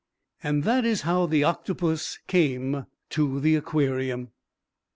And that is how the octopus came to the Aquarium.